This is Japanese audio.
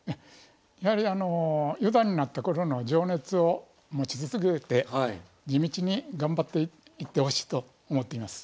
やはりあの四段になった頃の情熱を持ち続けて地道に頑張っていってほしいと思っています。